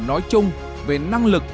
nói chung về năng lực